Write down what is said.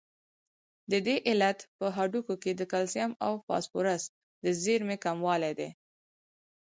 د دې علت په هډوکو کې د کلسیم او فاسفورس د زیرمې کموالی دی.